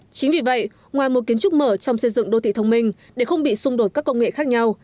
chính vì vậy ngoài một kiến trúc mở trong xây dựng đô thị thông minh để không bị xung đột các công nghệ khác nhau